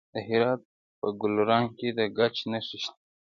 د هرات په ګلران کې د ګچ نښې شته.